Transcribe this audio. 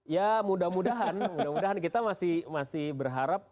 ya mudah mudahan mudah mudahan kita masih berharap